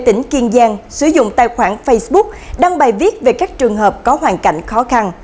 tỉnh kiên giang sử dụng tài khoản facebook đăng bài viết về các trường hợp có hoàn cảnh khó khăn